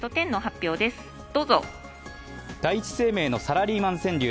第一生命のサラリーマン川柳。